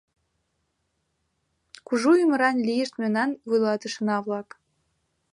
Кужу ӱмыран лийышт мемнан вуйлатышына-влак!